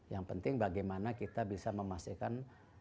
yang penting bagaimana kita bisa memastikan